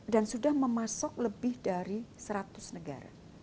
dan sudah memasuk lebih dari seratus negara